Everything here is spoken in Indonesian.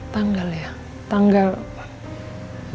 tanggal ya tanggal apa